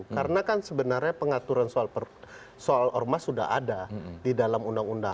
karena kan sebenarnya pengaturan soal ormas sudah ada di dalam undang undang